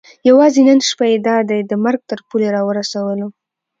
یوازې نن شپه یې دا دی د مرګ تر پولې را ورسولو.